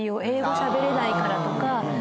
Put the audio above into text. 英語しゃべれないからとか。